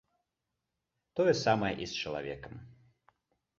Тое самае і з чалавекам.